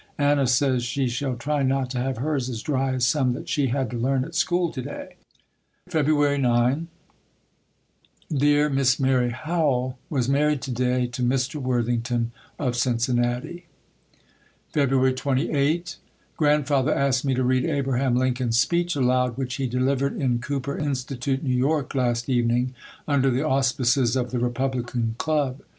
Anna says she shall try not to have hers as dry as some that she had to learn at school to day. February 9. Dear Miss Mary Howell was married to day to Mr. Worthington, of Cincinnati. February 28. Grandfather asked me to read Abraham Lincoln's speech aloud which he delivered in Cooper Institute, New York, last evening, under the auspices of the Republican Club.